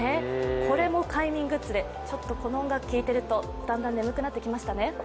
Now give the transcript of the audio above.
これも快眠グッズでこの音楽を聴いているとだんだん眠くなってきましたね。